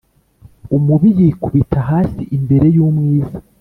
umubi yikubita hasi imbere y’umwiza,